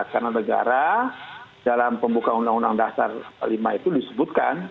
karena negara dalam pembuka undang undang dasar lima itu disebutkan